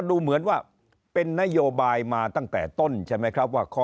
ดูเหมือนว่าเป็นนโยบายมาตั้งแต่ต้นใช่ไหมครับว่า